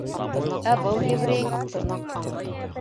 Ә был еврей?